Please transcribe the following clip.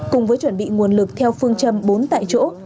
cùng với chuẩn bị nguồn lực theo phương châm bốn tại chỗ